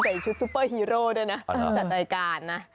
ชุดซุปเปอร์ฮีโร่ด้วยนะจัดรายการนะ